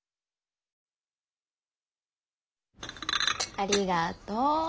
ありがとう。